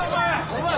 お前！